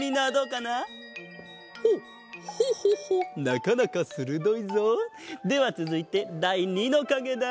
なかなかするどいぞ！ではつづいてだい２のかげだ。